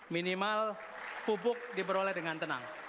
minimal pupuk diperoleh dengan tenang